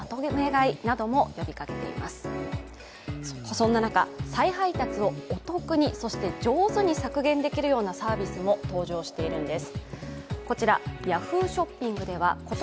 そんな中、再配達をお得に上手に削減できるようなサービスも登場しているんです。